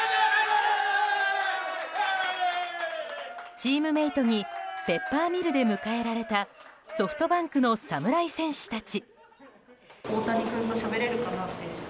チームメートにペッパーミルで迎えられたソフトバンクの侍戦士たち。